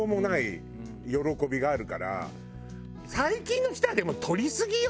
最近の人はでも撮りすぎよ。